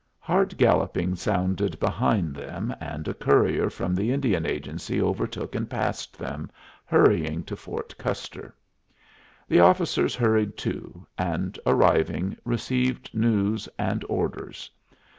Hard galloping sounded behind them, and a courier from the Indian agency overtook and passed them, hurrying to Fort Custer. The officers hurried too, and, arriving, received news and orders.